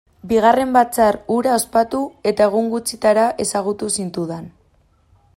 Bigarren batzar hura ospatu, eta egun gutxitara ezagutu zintudan.